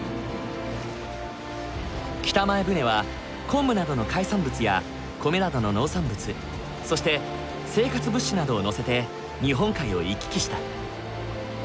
北前船は昆布などの海産物や米などの農産物そして生活物資などを載せて日本海を行き来した。